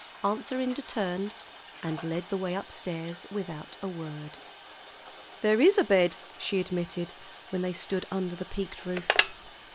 Aunt Serinda turned, and led the way up stairs without a word. "There is a bed," she admitted when they stood under the peaked roof.